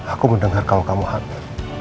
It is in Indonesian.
aku mendengar kaum kaum hati